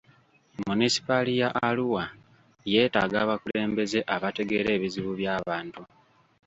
Munisipaali ya Arua yeetaaga abakulembeze abategeera ebizibu by'abantu.